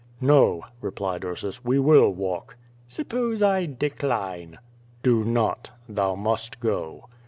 "No," replied Ursus, "we will walk." "Suppose I decline?" "Do not. Thou must go."